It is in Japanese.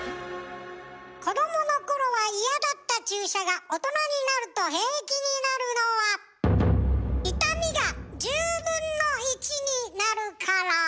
子どものころは嫌だった注射が大人になると平気になるのは痛みが１０分の１になるから。